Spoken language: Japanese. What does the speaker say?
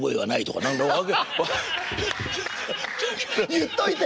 言っといて。